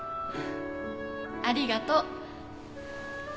ありがとう。